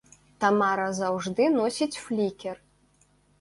Тамара заўжды носіць флікер.